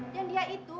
dan dia itu